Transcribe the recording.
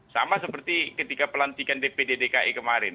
sama seperti ketika pelantikan dpd dki kemarin